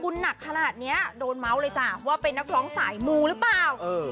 คุณหนักขนาดนี้โดนเมาส์เลยจ้ะว่าเป็นนักร้องสายมูหรือเปล่าเออ